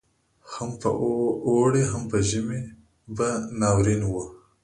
هم په اوړي هم په ژمي به ناورین وو